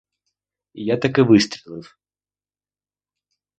І я таки вистрілив.